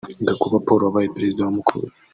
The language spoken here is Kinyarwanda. Gakuba Paul (wabaye Perezida wa Mukura)